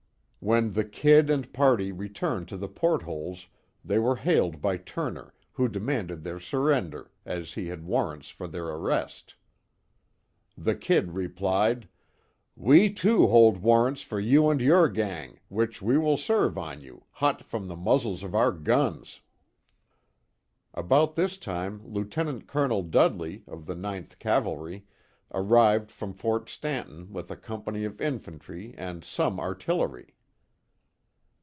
When the "Kid" and party returned to the port holes they were hailed by Turner, who demanded their surrender, as he had warrants for their arrest. The "Kid" replied: "We, too, hold warrants for you and your gang, which we will serve on you, hot from the muzzles of our guns." About this time Lieut. Col. Dudley, of the Ninth Cavalry, arrived from Ft. Stanton with a company of infantry and some artillery.